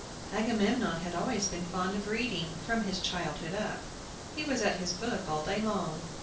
Agamemnon had always been fond of reading, from his childhood up. He was at his book all day long.